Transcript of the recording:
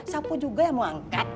sapu juga yang mau angkat